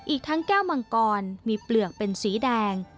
อีกทั้งแก้วมังกรมีเปลือกเป็นสีแดง